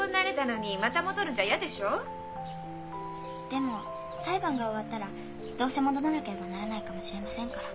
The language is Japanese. でも裁判が終わったらどうせ戻らなければならないかもしれませんから。